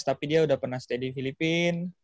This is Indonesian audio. tapi dia udah pernah stay di filipina